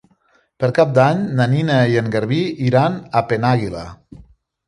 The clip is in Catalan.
Per Cap d'Any na Nina i en Garbí iran a Penàguila.